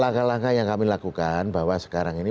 langkah langkah yang kami lakukan bahwa sekarang ini